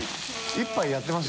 一杯やってます？